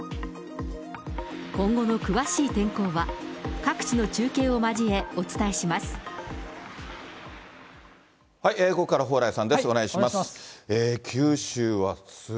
今後の詳しい天候は、各地の中継を交え、お伝えします。